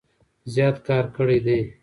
زيات کار کړي دی